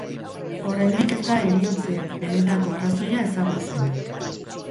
Oraindik ez da heriotzen benetako arrazoia ezagutzen.